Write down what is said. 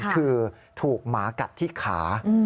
คือถูกหมากัดที่ขา